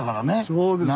そうですね。